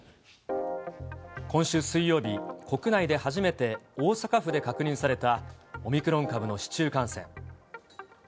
今週水曜日、国内で初めて大阪府で確認されたオミクロン株の市中感染。